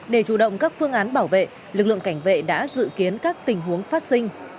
để chủ động các phương án bảo vệ lực lượng cảnh vệ đã dự kiến các tình huống phát sinh